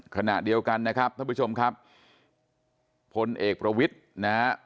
ขณะเดียวกันนะครับท่านผู้ชมครับพลเอกประวิทย์นะฮะ